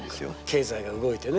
経済が動いてね。